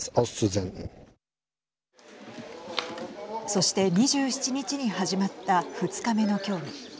そして２７日に始まった２日目のきょう。